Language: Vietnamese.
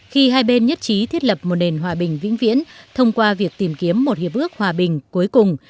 khi hai bên nhất trí thiết lập một nền hòa bình vĩnh viễn thông qua việc tìm kiếm một hiệp ước hòa bình cuối cùng